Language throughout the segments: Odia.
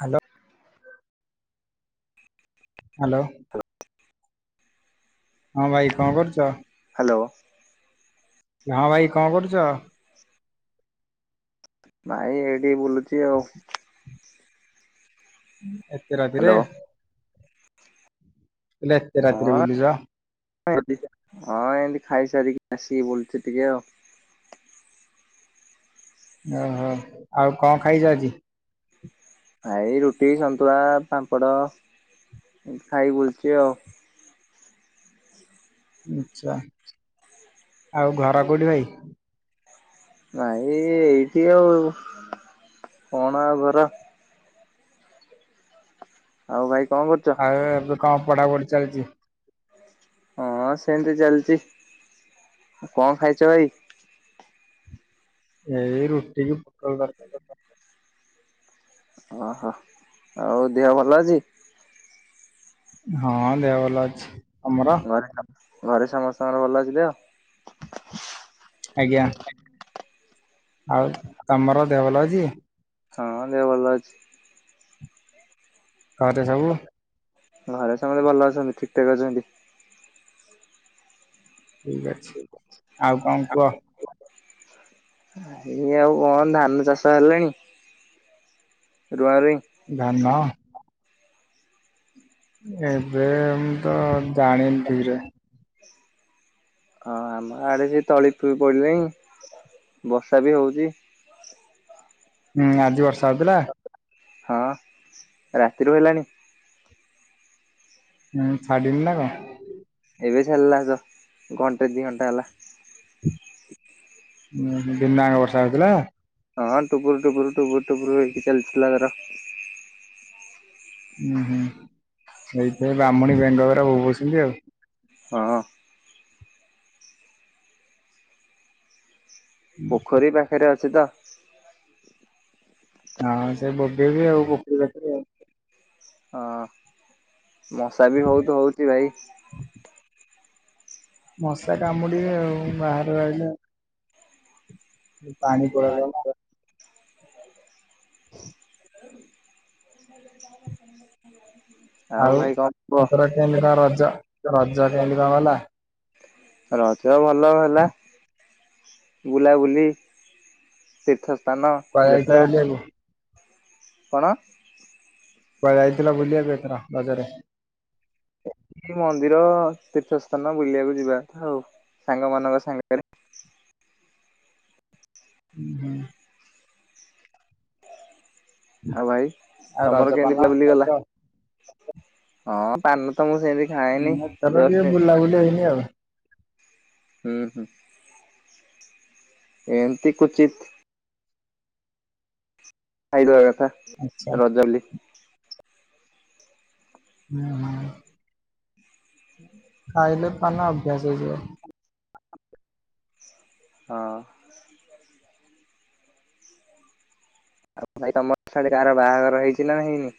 ହାଲୋ। ହାଲୋ। ହଁ ଭାଇ କଣ କରୁଚ? ହାଲୋ। ହଁ ଭାଇ କଣ କରୁଚ? ନାଇଁ ଏଇଠି ବୁଲୁ ଚି ଆଉ। ଏତେ ରାତିରେ। ହ୍ୟାଲୋ ପିଲା ଏତେ ରାତିରେ ହଁ ବୁଲୁଚ। ହଁ ଏମିତି ଖାଇସାରିକି ଆସିକି ବୁଲୁଚି ଟିକେ ଆଉ। ଓହୋ। ଆଉ କଣ ଖାଇଚ ଆଜି? ଏଇ ରୁଟି, ସନ୍ତୁଳା, ପାମ୍ପଡ଼ ଏନ୍ତି ଖାଇକି ବୁଲୁଚି ଆଉ। ଆଛା। ଆଉ ଘର କୋଉଠି ଭାଇ? ଭାଇ ଏଇଠି ଆଉ କଣ ଆଉ ଘର। ଆଉ ଭାଇ କଣ କରୁଚ? ଏବେ କଣ ପଢା ପଢି ଚାଲିଚି? ହଁ ସେମିତି ଚାଲିଚି। କଣ ଖାଇଚ ଭାଇ? ଏ ରୁଟି କି ପୋଟଳ ତରକାରି। ଅହୋ, ଆଉ ଦେହ ଭଲ ଅଛି? ହଁ ଦେହ ଭଲ ଅଛି। ତମର? ଘରେ ଘରେ ସମସ୍ତଙ୍କର ଭଲ ଅଛି ଦେହ? ଆଜ୍ଞା। ଆଉ ତମର ଦେହ ଭଲ ଅଛି? ହଁ ଦେହ ଭଲ ଅଛି। ଘରେ ସବୁ ଘରେ ସମସ୍ତେ ଭଲ ଅଛନ୍ତି। ଠିକ ଠାକ୍ ଅଛନ୍ତି। ଠିକ୍ ଅଛି। ଆଉ କଣ କୁହ? ଇଏ ଆଉ କଣ ଧାନ ଚାଷ ହେଲାଣି? ରୁଆ ରୁଇ। ଧାନ। ଏବେ ମୁ ତ ଜାଣିନି ଠିକରେ। ହଁ ଆମ ଆଡେ ବି ତଳିବି ପଡ଼ିନେଇଁ ବର୍ଷା ବି ହୋଊଚି। ହୁଁ ଆଜି ବର୍ଷା ହୋଉଥିଲା। ହଁ ରାତିରୁ ହେଲାଣି। ହୁଁ ଛାଡ଼ିିନି ନା କଣ। ଏବେ ଛାଡିଲା ଜ ଘଣ୍ଟେ ଦି ଘଣ୍ଟା ହେଲା। ହୁଁ ଦିନଆକ ବର୍ଷା ହୋଉଥିଲା? ହଁ ଟୁପୁରୁ ଟୁପୁରୁ ଟୁପୁରୁ ଟୁପୁରୁ ହେଇକି ଚାଲିଥିଲା ତାର। ଉୁଁ ହୁଁ ସେଇଥିପାଇଁ ବ୍ରାହ୍ମଣୀ ବେଙ୍ଗହରା ବୋବଉଛନ୍ତି ଆଉ। କହ। ପୋଖରୀ ପାଖରେ ଅଛି ତ। ହଁ ସେ ବୋବେଇବେ ଆଉ ପୋଖରୀ ପାଖରେ। ହଁ ମଶା ବି ବୋହୂତ ହୋଉଛି ଭାଇ। ମଶା କାମୁଡିବେ ଆଉ ବାହାରେ ରହିଲେ। ପାଣି [unintelligible] ଉଁ। ଆଉ ଭାଇ କଣ କୁହ ଏଥର କେମିତି କଣ ରଜ ରଜ କେମିତି କଣ ଗଲା। ରଜ ଭଲ ହେଲା ବୁଲାବୁଲି ତୀର୍ଥ ପାନ କୁଆଡେ ଯାଇଥିଲ ଗେଟା ବୁଲିବାକୁ? କଣ? କଆଡେ ଯାଇଥିଲ ବୁଲିବା ପାଇଁ ଏଥର ରଜରେ? ମନ୍ଦିର ତୀର୍ଥ ସ୍ଥାନ ବୁଲିବାକୁ ଯିବା ଆଉ ସାଙ୍ଗ ମାନଙ୍କ ସାଙ୍ଗରେ। ହୁଁ। ଆଉ ଭାଇ ଆଉ ରଜ ତମର ପାନ କେମତି ବୁଲା ବୁଲି ରଜ ଗଲା? ହଁ ପାନୁ ତ ମୁଁ ସେନ୍ତି। ହୁଁ ଖାଇନି ଏଥର ଜଷ୍ଟ୍। [unintelligible] [unintelligible] ଆଉ। ହୁଁ ହୁଁ। ଏମିତି କୁଚିତ୍। ଖାଇଦବା କଥା ଆଚ୍ଛା। ରଜ ଲି। ଉଁହୁଁ, ଖାଇଲେ ପାନ ଅଭ୍ୟାସ ହେଇଯିବ। ହଁ। ଆଉ ଭାଇ ତମର ସିଆଡେ କାହାର ବାହାଘର ହେଇଛି ନା ହେଇନି।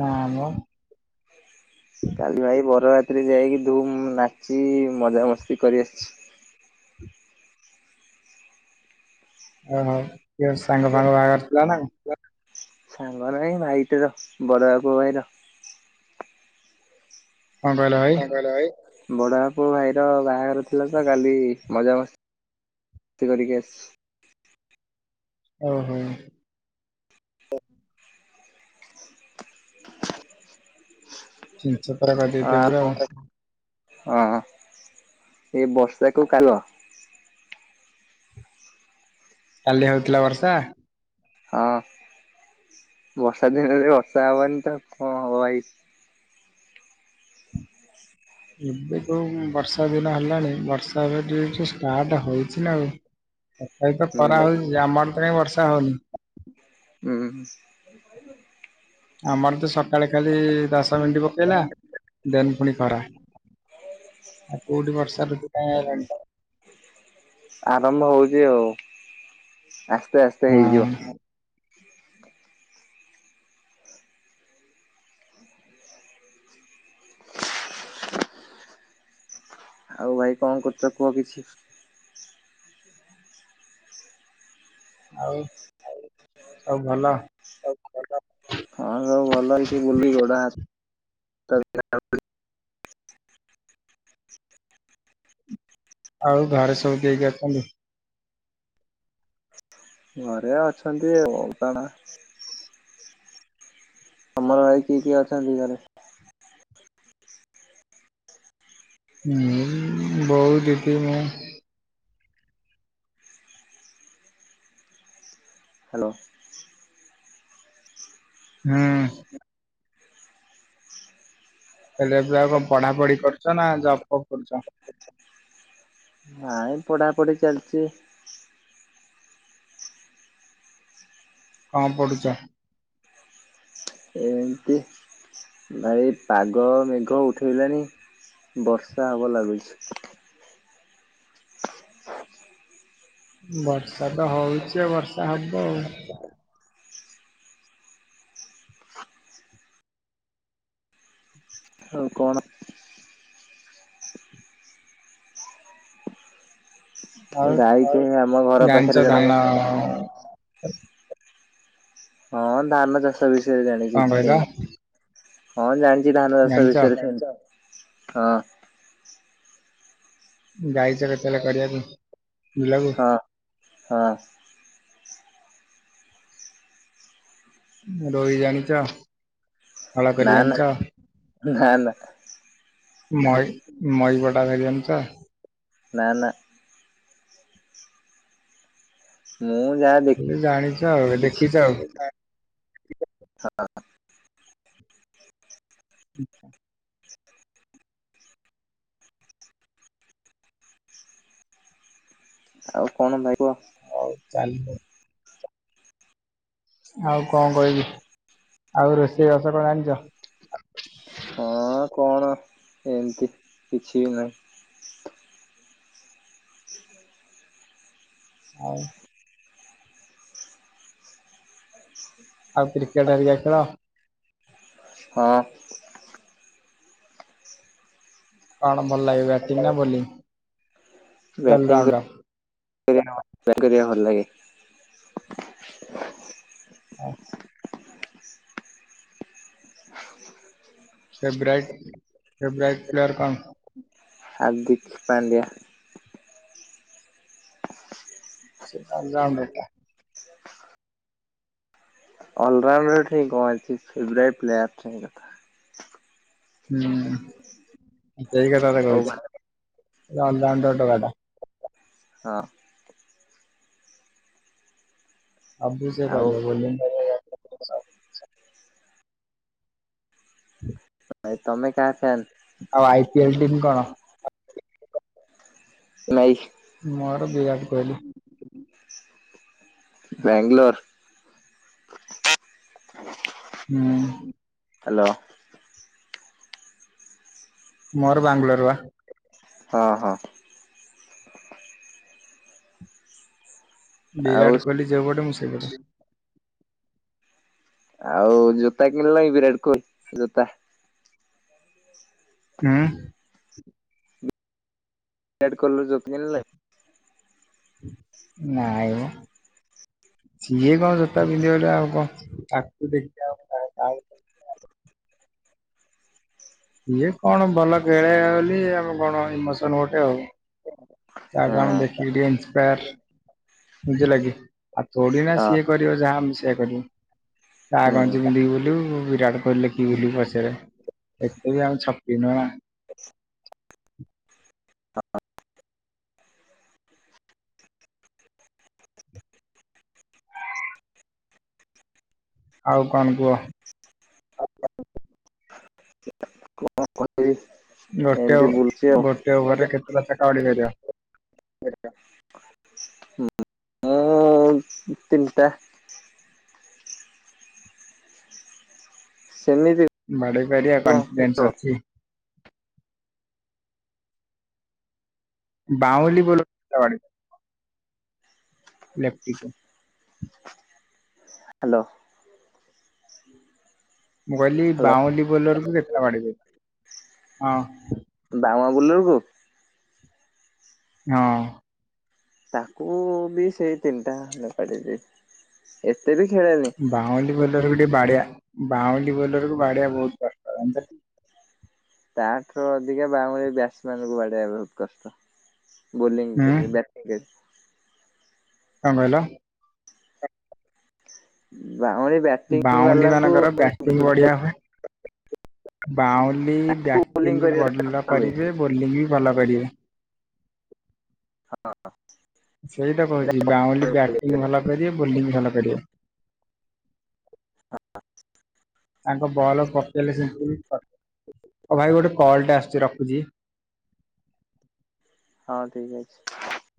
ନାମ କାଲି ଭାଇ ବରଯାତ୍ରୀ ଯାଇକି ଧୁମ ନାଚି ମଜାମସ୍ତି କରିଆସିଛି। ଓହୋ କିଏ ଗୋଟେ ସାଙ୍ଗ ଫାଙ୍ଗ ବାହାଘର ଥିଲା ନା କଣ। ସାଙ୍ଗ ନାହିଁ ଭାଇଟାର ବଡବା ପୁଅ ଭାଇର। କଣ କହିଲ ଭାଇ? କଁଣ କହିଲ ଭାଇ? ବଡାପା ପୁଅ ଭାଇର ବାହାଘର ଥିଲା ତ କାଲି ମଜାମସ୍ତି କରିକି ଆସିଛି। ଓହୋ। [inaudible] [inaudible] ଛତରା [inaudible] ହଁ ଆଉ କଣ କହିବୁ ହଁ ଏଇ ବର୍ଷାକୁ କାଲ କାଲି ହଉଥିଲା ବର୍ଷା? ହଁ, ବର୍ଷା ଦିନରେ ବର୍ଷା ହବନି ତ କଣ ହବ, ଭାଇ! ଏବେ ଏ ଯୋଉ ବର୍ଷା ଦିନ ହେଲାଣି, ବର୍ଷା [unintelligible] ଷ୍ଟାର୍ଟ ହଉଛି ନା ଆଉ। ତଥାବି ତ ହୁଁ ଖରା ହଉଚି ଯେ, ଆମଆଡେ ତ କାଇଁ ବର୍ଷା ହଉନି। ହୁଁହୁଁ। ଆମର ତ ସକାଳେ ଖାଲି ଦଶ ମିନିଟ୍ ପକେଇଲା। ଦେନ୍ ପୁଣି ଖରା। ଆଉ କୋଉଠି ବର୍ଷା ଋତୁ କାଇଁ ଆଇଲାଣି? ଆରମ୍ଭ ହଉଚି ଆଉ, ଆସ୍ତେ ଆସ୍ତେ ହୁଁ। ହେଇଯିବ ଆଉ ଭାଇ କଣ କରୁଛ, କୁହ କିଛି? ଆଉ, ସବୁ ଭଲ? ହଁ ସବୁ ଭଲ। ଏମିତି ବୁଲି ଗୋଡ ହାତ [unintelligible] ଆଉ ଘରେ ସବୁ କିଏ କିଏ ଅଛନ୍ତି? ଘରେ ଅଛନ୍ତି ଆଉ, କଣ? ତମର ଭାଇ କିଏ କିଏ ଅଛନ୍ତି ଘରେ? ଉଁ ବୋଉ, ଦିଦି, ମୁଁ। ହ୍ୟାଲୋ। ହୁଁ। ହେଲେ ଏବେ ଆଉ କଣ ପଢ଼ା ପଢ଼ି କରୁଚ? ନା ଜବ୍ ଫବ୍ କରୁଛ? ନାଇଁ, ପଢ଼ାପଢ଼ି ଚାଲିଛି। କଣ ପଢ଼ୁଚ? ଏମିତି। ଭାଇ ପାଗ ମେଘ ଉଠେଇଲାଣିି, ବର୍ଷା ହବ ଲାଗୁଚି। ବର୍ଷା ତ ହଉଚି ଆଉ, ବର୍ଷା ହବ ଆଉ। ଆଉ କଣ? ଆଉ ଗାଈ କେ ଆମ ଘର ଜାଣିଛ ପାଖେରେ ଜଣେ ଧାନ ହଁ ଧାନ ଚାଷ ବିଷୟରେ ଜାଣିଚି କଣ କହିଲ ସେମ ହଁ, ଜାଣିଛି ଧାନ ଚାଷ ଜାଣିଛ ବିଷୟରେ ହଁ। ଗାଈ ଚରେଇଆକୁ କହିଲେ କରିଆ ପାଇଁ। ହଁ- ହଁ। ରୋଇ ଜାଣିଛ? ହଳ କରି ନା- ନା ଜାଣିଛ - ନା - ନା। ନଈ, ନଈ ପଠା କଣ ଜାଣିଚ? ନା - ନା। ମୁଁ ଯାହା ଦେଖ ଖାଲି ଜାଣିଛ ଆଉ ଦେଖିଛ ଆଉ ଦେଖିଛି [unintelligible] ହଁ। ଆଛା। ଆଉ କଣ ନେବ? ହଉ ଚାଲୁ। ଆଉ କଣ କହିବି, ଆଉ ରୋଷେଇବାସ କଣ ଜାଣିଛ? ହଁ, କଣ ଏମିତି କିଛି ବି ନାହିଁ। ଆଉ। ଆଉ କ୍ରିକେଟ୍ ହେରିକା ଖେଳ? ହଁ। କଣ ଭଲ ଲାଗେ, ବ୍ୟାଟିଂ ନା ବୋଲିଂ? ବ୍ୟାଟିଂ ଅଲରାଉଣ୍ଡର [unintelligible] କରିବା ଭଲ ଲାଗେ। ହଁ। ଫେବ୍ରାଇଟ୍ ଫେବ୍ରାଇଟ୍ ପ୍ଲେଆର କଣ? ହାର୍ଦ୍ଦିକ ପାଣ୍ଡ୍ୟା। ସେ ତା ଗ୍ରାମ ବେଟା ଅଲରାଉଣ୍ଡର ଠେଇଁ କଣ ଅଛି, ଫେବରାଇଟ୍ ପ୍ଲେୟାର୍ ଠେଇଁ କଥା। ହୁଁ ସେଇ କଥା ତ ଆଉ ଭା- କହୁଛି, ଅଲରାଉଣ୍ଡର ଟୋକା ଟା। ହଁ। ସବୁ ସେ କରିବ, ବୋଲିଙ୍ଗ ଆ ହୁଁ ତମେ କା [unintelligible] ଆଉ ଆଇ ପିଏଲ ଟିମ୍ କଣ? [unintelligible] ମୋର ବିରାଟ କୋହଲି। ବେଙ୍ଗଲୋର୍। ହୁଁ। ହ୍ୟାଲୋ। ମୋର ବାଙ୍ଗଲୋର ବା। ହଁ ହଁ। ଆଉ ବିରାଟ କୋହଲି ଯୋଉ ପଟେ ମୁଁ ସେଇ ପଟେ। ଆଉ ଜୋତା କିଣିଲଣି ବିରାଟ କୋହଲି ଜୋତା? ହୁଁ। ରେଡ କଲର ଜୋତା ଥିଲା କି? ନାଇଁ ମ। ସିଏ କଣ ଜୋତା ପିନ୍ଧିବ ବୋଲି ଆଉ କଣ ତାକୁ ଦେଖି ଆ ଇଏ କଣ ଭଲ ଖଳେ ବୋଲି ଆମେ କଣ ଇମୋସନ ଗୋଟେ ଆଉ। ତା ହଁ ଠୁ ଆମେ ଦେଖିକ ଟିକେ ନ୍ସପାୟାର। ବୁଝିଲକି ଆ ତୋଡି ନା ହଁ ସିଏ କରିବ ଯାହା ଆମେ ସେଇଆ କରିବୁ। ତା ଗଞ୍ଚ ହୁଁ ପିନ୍ଧିକି ବୁଲିବୁ ବିରାଟ କୋହିଲ ଲେଖି ବୁଲୁ ପଛରେ। ଏତେ ବି ଆମେ ଚପରୀ ନୁହେଁ। ହ ହଁ ଆଉ କଣ କୁହ? [unintelligible] ଗୋଟେ ଓ ଏମିତି ବୁଲଚି ଗୋଟେ ଆଉ। ଓଭରରେ କେତେଟା ଛକା ବାଡେଇ ପାରିବ? ମୁଁ ତିନିଟା ସେମିତି ବାଡେଇ ପାରିବା ହ୍ୟାଲୋ କନଫିଡେନ୍ସ ହ୍ୟାଲୋ ଅଛି। ବାଉଲି ବୋଲର [unintelligible] ଲେପଟିକୋ। ହ୍ୟାଲୋ। ମୁଁ କହିଲି ହ୍ୟାଲୋ ବାଉଲି ବୋଲରକୁ କେତେଟା ବାଡେଇ [unintelligible] ହଁ। ବାଉଆ ବୋଲର କୁ? ହଁ। ତାକୁ ବି ସେଇ ତିନିଟା ବାଡେଇ [unintelligible] ଏତେ ବି ଖେଳନି। ବାଉଁଲି ବୋଲର ଗୋଟେ ବାଡିଆ ବାଉଁଲି ବୋଲର ବାଡିଆ ବୋହୁତ କ ହ ତାଠାରୁ ଅଧିକା ବା ବ୍ୟାଟସ ମ୍ୟାନ କୁ ବାଡେଇବା ବୋହୁତ କଷ୍ଟ ବୋଲିଙ୍ଗି ହୁଁ ଵ୍ୟା କେ କଣ କହିଲ? ବା [unintelligible] ବାଉଲି ମାନଙ୍କର ବ୍ୟାଟିଂ ବଢିଆ ହୁଏ। ବାଉଲି ବୋଲିଂ ବ୍ୟାଟିଙ୍ଗି ବି କରିବା ଭଲ କରିବେ, ବୋଲିଙ୍ଗି ବି ଭଲ କରିବେ। [unintelligible] ସେଇଟା କୋହୁଚି ବାଉଲି ବ୍ୟାଟିଙ୍ଗି ଭଲ କରିବେ, ବୋଲିଙ୍ଗି ଭଲ କରିବେ। [unintelligible] ତାଙ୍କ ବଲ ପକେଇଲେ ସେମତି [unintelligible] ଆଉ ଭାଇ ଗୋଟେ କଲ ଟେ ଆସୁଚି ରଖୁଚି। ହଁ ଠିକ ଅଛି।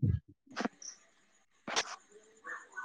ହୁଁ।